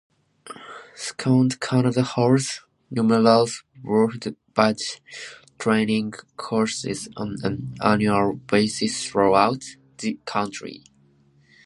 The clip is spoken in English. Scouts Canada holds numerous Woodbadge training courses on an annual basis throughout the country.